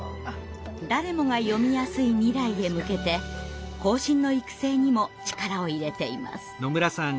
誰もが読みやすい未来へ向けて後進の育成にも力を入れています。